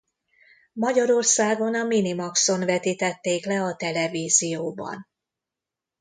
Magyarországon a Minimax-on vetítették le a televízióban.